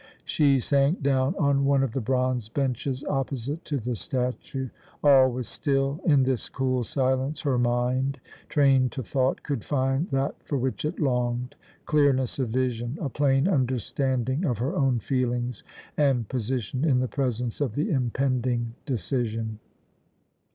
She sank down on one of the bronze benches opposite to the statue. All was still; in this cool silence her mind, trained to thought, could find that for which it longed clearness of vision, a plain understanding of her own feelings and position in the presence of the impending decision.